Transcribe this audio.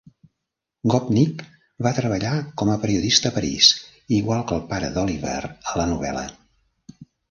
Gopnik va treballar com a periodista a París igual que el pare d'Oliver a la novel·la.